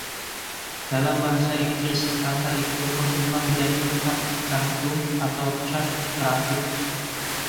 Dalam bahasa Inggris kata itu berkembang menjadi “card” (kartu) atau “chart” (grafik).